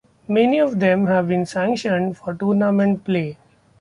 Many of them have been sanctioned for tournament play.